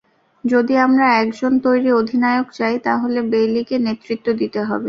যদি আমরা একজন তৈরি অধিনায়ক চাই, তাহলে বেইলিকে নেতৃত্ব দিতে হবে।